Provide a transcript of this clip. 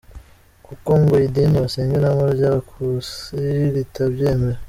Kuko ngo idini basengeramo ry’Abakusi ritabyemera.